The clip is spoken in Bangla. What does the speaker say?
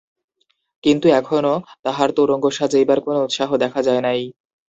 কিন্তু এখনো তাহার তোরঙ্গ সাজাইবার কোনো উৎসাহ দেখা যায় নাই।